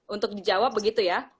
untuk dijawab begitu ya